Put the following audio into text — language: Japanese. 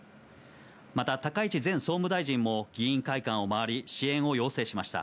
また高市前総務大臣も、議員会館を回り支援を要請しました。